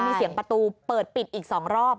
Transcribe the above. มีเสียงประตูเปิดปิดอีก๒รอบ